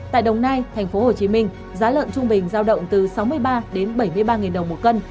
tại đồng nai tp hcm giá lợn trung bình giao động từ sáu mươi ba đến bảy mươi ba đồng một cân